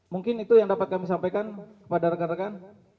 mungkin itu yang dapat kami sampaikan kepada rekan rekan